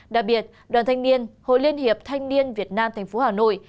đặc biệt đoàn thanh niên hội liên hiệp thanh niên việt nam tp hà nội